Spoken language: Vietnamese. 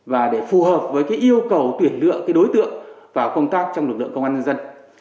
và để phù hợp với yêu cầu tuyển lựa đối tượng vào công tác trong lực lượng công an nhân dân